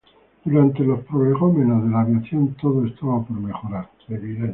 Durante los prolegómenos de la aviación todo estaba por mejorar.